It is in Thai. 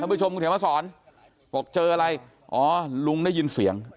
ผู้ชมคุณเขียนมาสอนบอกเจออะไรอ๋อลุงได้ยินเสียง